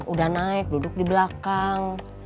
udah naik duduk di belakang